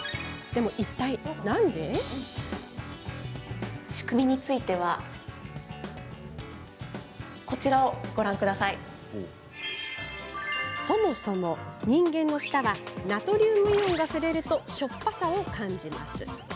でも、いったいなんで？そもそも人間の舌はナトリウムイオンが触れるとしょっぱさを感じます。